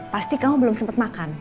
pasti kamu belum sempat makan